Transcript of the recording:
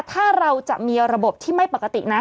ถ้าเราจะมีระบบที่ไม่ปกตินะ